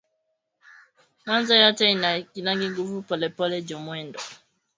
Mwanzo yote inaikalaka nguvu polepole njo mwendo